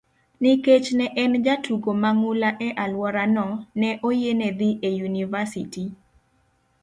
Nikech ne en jatugo mang'ula e alworano, ne oyiene dhi e yunivasiti.